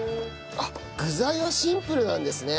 具材はシンプルなんですね。